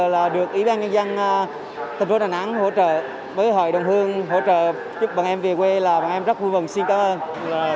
là được ủy ban ngân dân thành phố đà nẵng hỗ trợ với hội đồng hương hỗ trợ giúp bà em về quê là bà em rất vui vòng xin cảm ơn